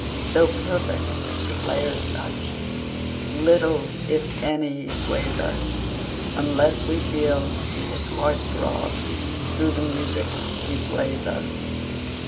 Though perfect the player's touch, little, if any, he sways us, Unless we feel his heart throb through the music he plays us.